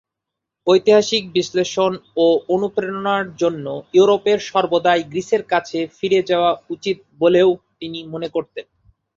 ঐতিহাসিক বিশ্লেষণ ও অনুপ্রেরণার জন্য ইউরোপের সর্বদাই গ্রীসের কাছে ফিরে যাওয়া উচিত বলেও তিনি মনে করতেন।